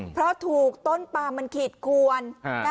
เพราะถูกต้นปลามันขีดขวน